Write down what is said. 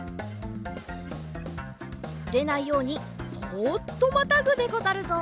ふれないようにそっとまたぐでござるぞ。